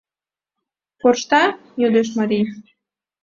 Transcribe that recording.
— Коршта? — йодеш марий.